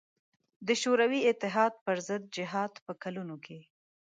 له شوروي اتحاد پر ضد جهاد په کلونو کې.